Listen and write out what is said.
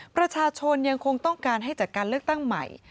ประชาชนยังคงต้องการให้จัดการเลือกตั้งใหม่